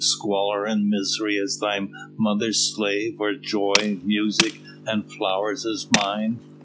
Squalor and misery as thy mother's slave, or joy, music, and flowers as mine."